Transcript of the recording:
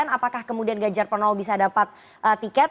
apakah kemudian ganjar pranowo bisa dapat tiket